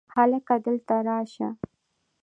هلکه! دلته راشه!